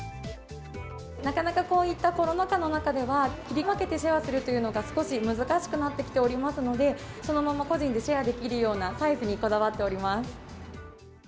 なかなかこういったコロナ禍の中では、切り分けてシェアするというのが、少し難しくなってきておりますので、そのまま個人でシェアできるようなサイズにこだわっております。